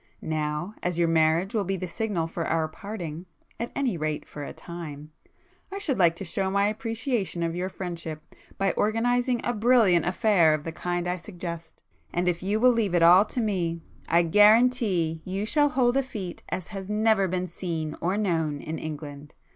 Now as your marriage will be the signal for our parting,—at any rate for a time,—I should like to show my appreciation of your friendship, by organizing a brilliant affair of the kind I suggest,—and if you will leave it all to me, I guarantee you shall hold such a fête as has never been seen or known in England.